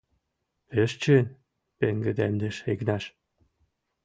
— Пеш чын, — пеҥгыдемдыш Игнаш.